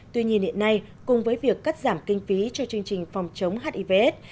tuy nhiên hiện nay cùng với việc cắt giảm kinh phí cho chương trình phòng chống hiv aids